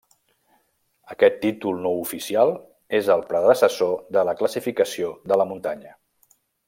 Aquest títol no oficial és el predecessor de la classificació de la muntanya.